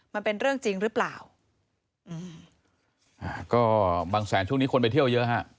มันเป็นเรื่องจริงหรือเปล่าอืมอ่าก็บางแสนช่วงนี้คนไปเที่ยวเยอะฮะ